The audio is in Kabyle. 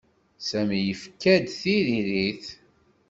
Sami yefka-d tiririt.